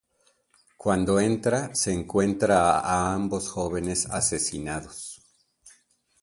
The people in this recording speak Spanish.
Cuando entra, se encuentra a ambos jóvenes asesinados.